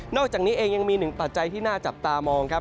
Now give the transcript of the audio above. อกจากนี้เองยังมีหนึ่งปัจจัยที่น่าจับตามองครับ